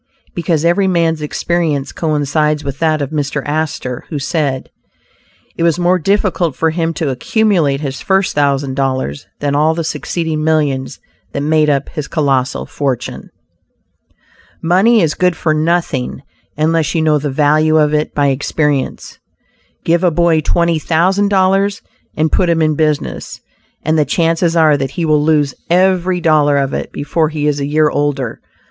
Because every man's experience coincides with that of Mr. Astor, who said, "it was more difficult for him to accumulate his first thousand dollars, than all the succeeding millions that made up his colossal fortune." Money is good for nothing unless you know the value of it by experience. Give a boy twenty thousand dollars and put him in business, and the chances are that he will lose every dollar of it before he is a year older.